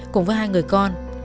cùng với hai người con